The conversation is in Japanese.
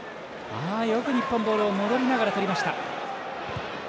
よく日本、ボールを戻りながらとりました。